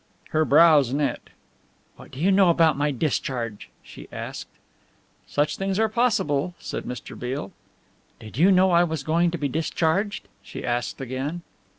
Her brows knit. "What do you know about my discharge?" she asked. "Such things are possible," said Mr. Beale. "Did you know I was going to be discharged?" she asked again.